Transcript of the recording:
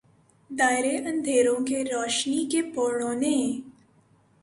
دائرے اندھیروں کے روشنی کے پوروں نے